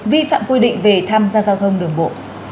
vi phạm quy định về tham gia giao thông đường bộ